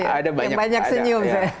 yang banyak senyum